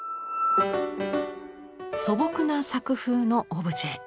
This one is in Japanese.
素朴な作風のオブジェ。